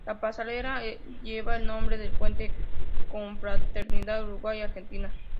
La pasarela lleva el nombre de Puente Confraternidad Uruguay-Argentina.